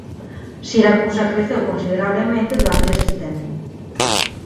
Siracusa creceu considerablemente durante este tempo.